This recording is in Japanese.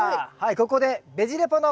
ここでおベジ・レポだ！